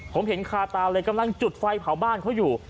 ผมเห็นคาตาเลยกำลังจุดไฟเผาบ้านเขาอยู่